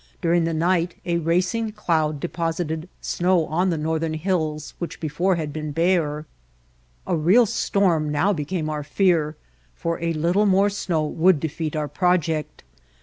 Dur ing the night a racing cloud deposited snow on the northern hills which before had been bare. A real storm now became our fear, for a little White Heart of Mojave more snow would defeat our project.